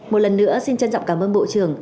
một lần nữa xin trân trọng cảm ơn bộ trưởng